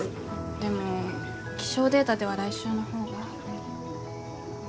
でも気象データでは来週の方が。